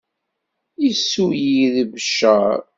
Yessulli deg Beccaṛ.